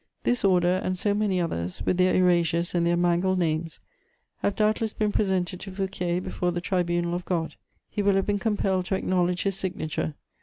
This order and so many others, with their erasures and their mangled names, have doubtless been presented to Fouquier before the tribunal of God; he will have been compelled to acknowledge his signature.